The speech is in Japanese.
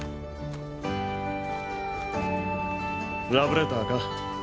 ラブレターか？